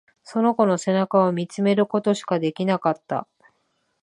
その子の背中を見つめることしかできなかった。